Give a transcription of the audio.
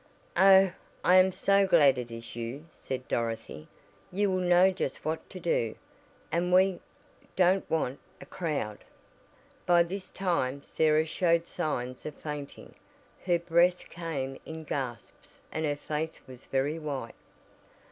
"Oh, I am so glad it is you!" said Dorothy. "You will know just what to do, and we don't want a crowd." By this time Sarah showed signs of fainting; her breath came in gasps and her face was very white.